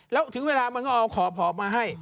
แล้วถึงเวลามันก็เอาขอผอบมาให้